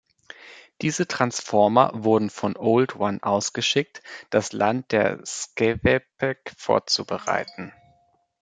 Diese "transformer" wurden von "Old One" ausgeschickt, das Land der Secwepemc vorzubereiten.